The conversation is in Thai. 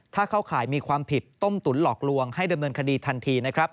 ถ้าเข้าข่ายมีความผิดต้มตุ๋นหลอกลวงให้ดำเนินคดีทันทีนะครับ